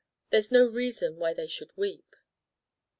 There's no reason why they should weep.